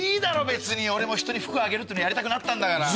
別に俺もひとに服あげるっていうのやりたくなったんだから！